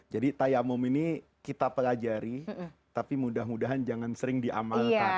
tayamum ini kita pelajari tapi mudah mudahan jangan sering diamalkan